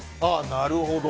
なるほど。